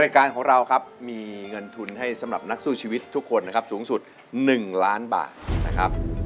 การของเราครับมีเงินทุนให้สำหรับนักสู้ชีวิตทุกคนนะครับสูงสุด๑ล้านบาทนะครับ